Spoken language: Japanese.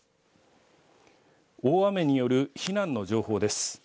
大雨による避難の情報です。